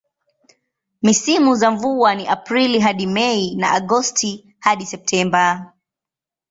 Misimu za mvua ni Aprili hadi Mei na Agosti hadi Septemba.